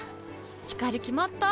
光決まった？